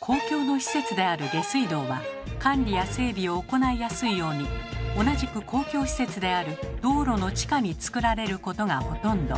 公共の施設である下水道は管理や整備を行いやすいように同じく公共施設である道路の地下につくられることがほとんど。